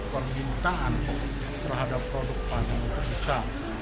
permintaan terhadap produk pangan itu bisa